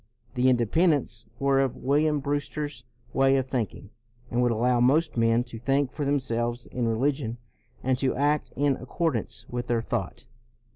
The Independents were of William Brewster's way of thinking, and would allow most men to think for themselves in religion and to act in ac cordance with their thought.